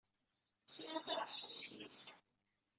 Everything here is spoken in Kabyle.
Sɛiɣ taɣwect ack-itt.